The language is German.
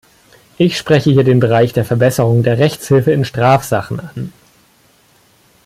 Ich spreche hier den Bereich der Verbesserung der Rechtshilfe in Strafsachen an.